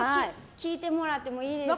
聞いてもらってもいいですか。